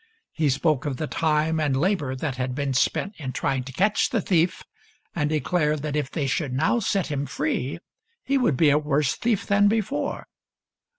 He spoke of the time and labor that had been spent in trying to catch the thief, and declared that if they should now set him free he would be a worse thief than before.